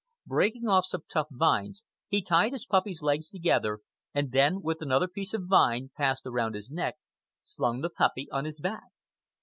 Breaking off some tough vines, he tied his puppy's legs together, and then, with another piece of vine passed around his neck, slung the puppy on his back.